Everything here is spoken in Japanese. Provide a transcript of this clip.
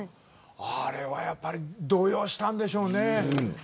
あれはやっぱり動揺したんでしょうね。